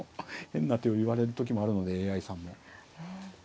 変な手を言われる時もあるのでＡＩさんも。